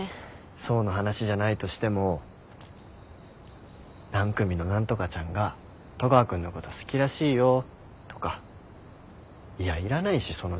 想の話じゃないとしても何組の何とかちゃんが戸川君のこと好きらしいよとかいやいらないしその情報。